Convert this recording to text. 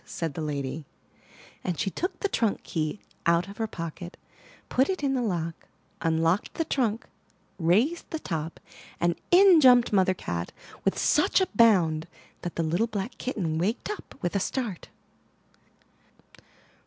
*' said the lady; and she took the trunk key out of her pocket, put it in the lock, unlocked the trunk, raised the top — and in jumped Mother Cat with such a bound that the little black kitten waked up with a start.